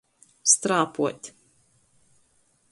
Strāpuot.